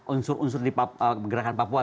unsur unsur di gerakan papua